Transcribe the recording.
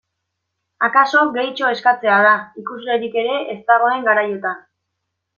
Akaso gehiegitxo eskatzea da, ikuslerik ere ez dagoen garaiotan.